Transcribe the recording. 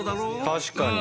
確かに。